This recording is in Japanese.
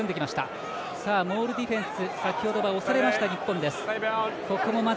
モールディフェンス先ほどは押されました日本。